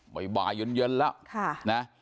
บ๊ายบายเย็นแล้ว